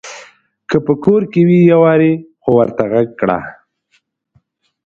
که په کور کې وي يوارې خو ورته غږ کړه !